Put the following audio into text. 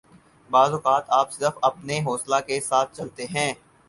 بعض اوقات آپ صرف اپنے حوصلہ کے ساتھ چلتے ہیں